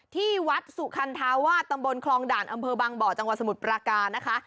ที่วัดสุคันธาวาสตำบลคลองด่านอำเภอบางบ่อจังหวัดสมุทรปราการนะคะ